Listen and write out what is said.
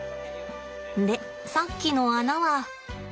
でさっきの穴は。